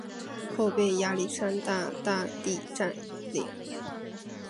后被亚历山大大帝占领。